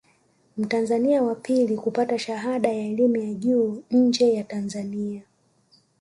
Mtanzania wa pili kupata shahada ya elimu ya juu nje ya Tanzania